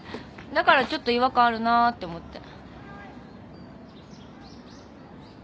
だからちょっと違和感あるなぁって思って。